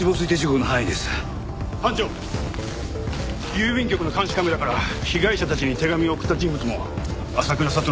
郵便局の監視カメラから被害者たちに手紙を送った人物も浅倉悟と断定できました。